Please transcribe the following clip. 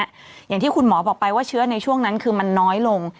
อย่างที่คุณหมอบอกไปว่าเชื้อในช่วงนั้นคือมันน้อยลง